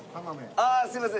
ああすいません。